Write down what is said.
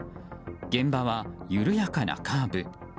現場は緩やかなカーブ。